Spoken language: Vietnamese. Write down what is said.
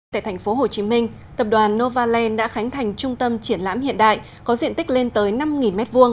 tại thành phố hồ chí minh tập đoàn novaland đã khánh thành trung tâm triển lãm hiện đại có diện tích lên tới năm m hai